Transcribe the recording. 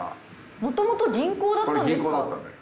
もともと銀行だったんですか？